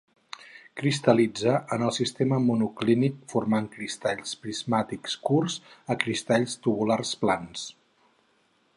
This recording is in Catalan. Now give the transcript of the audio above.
Cristal·litza en el sistema monoclínic formant cristalls prismàtics curts a cristalls tabulars plans.